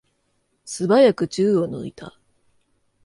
すばやく銃を抜いた。